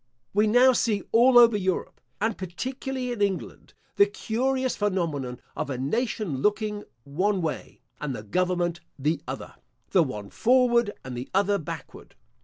We now see all over Europe, and particularly in England, the curious phenomenon of a nation looking one way, and the government the other the one forward and the other backward.